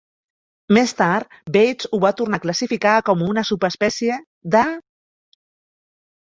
Més tard, Bates ho va tornar a classificar com a una subespècies de "".